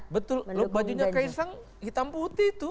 betul loh bajunya kaisang hitam putih tuh